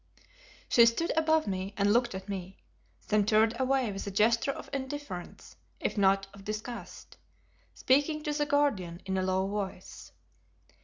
She stood above me and looked at me, then turned away with a gesture of indifference, if not of disgust, speaking to the Guardian in a low voice.